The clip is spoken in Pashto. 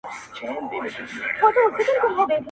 د بل پر کور سل مېلمانه څه دي.